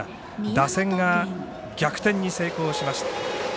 打線が逆転に成功しました。